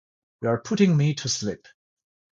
You're putting me to sleep.